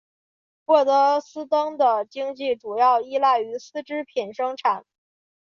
沃德斯登的经济主要依赖于丝织品生产。